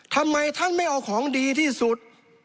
ทำไมท่านไม่เอาของดีที่สุด